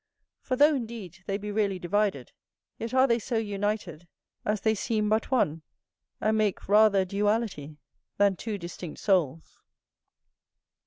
For though, indeed, they be really divided, yet are they so united, as they seem but one, and make rather a duality than two distinct souls.